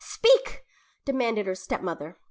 "Speak!" demanded her stepmother.